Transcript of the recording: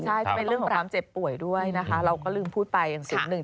ใช่จะเป็นเรื่องความเจ็บป่วยด้วยนะคะเราก็ลืมพูดไปอย่างศูนย์หนึ่ง